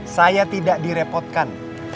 saya tidak direpotkan